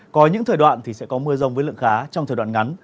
có những thời đoạn thì sẽ có mưa rông với lượng khá trong thời đoạn ngắn